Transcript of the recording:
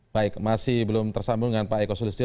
baik masih belum tersambung dengan pak eko sulistyo